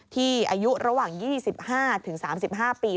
ที่อายุระหว่าง๒๕ถึง๓๕ปี